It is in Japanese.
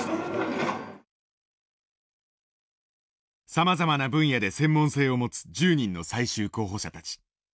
さまざまな分野で専門性を持つ１０人の最終候補者たち。